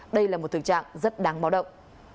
đây là một tình trạng rất đáng báo động